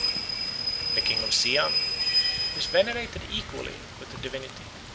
The king of Siam "is venerated equally with a divinity.